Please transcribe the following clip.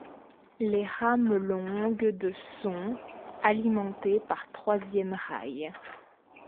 Les rames longues de sont alimentées par troisième rail.